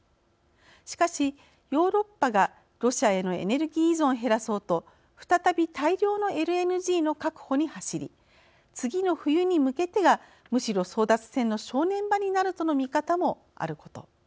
しかしヨーロッパがロシアへのエネルギー依存を減らそうと再び、大量のＬＮＧの確保に走り次の冬に向けてがむしろ争奪戦の正念場になるとの見方もあること。